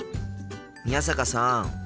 宮坂さん。